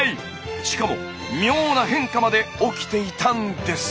しかも妙な変化まで起きていたんです。